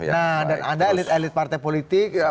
nah dan ada elit elit partai politik